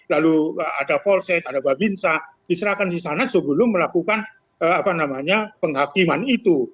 lalu ada polsek ada babinsa diserahkan di sana sebelum melakukan penghakiman itu